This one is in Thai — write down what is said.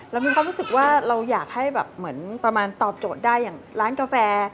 เรามีความรู้สึกว่าเราอยากให้แบบเหมือนประมาณตอบโจทย์ได้อย่างร้านกาแฟ